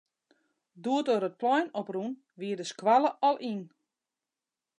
Doe't er it plein op rûn, wie de skoalle al yn.